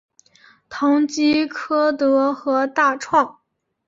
唐吉柯德和大创